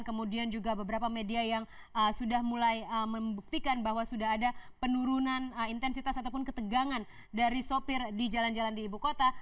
kemudian juga beberapa media yang sudah mulai membuktikan bahwa sudah ada penurunan intensitas ataupun ketegangan dari sopir di jalan jalan di ibu kota